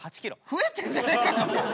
増えてんじゃねえかよ！